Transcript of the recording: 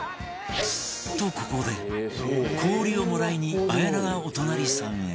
とここで氷をもらいに綾菜がお隣さんへ